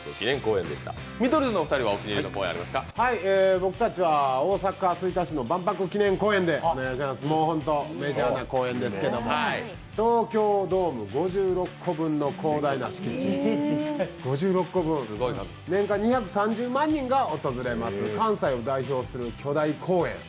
僕たちは大阪・吹田市の万博記念公園で、ほんとメジャーな公園ですけど東京ドーム５６個分の広大な敷地、年間２３０万人が訪れます、関西を代表する巨大公園。